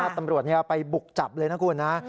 ตำรวจไปบุกจับเลยนะคุณนะ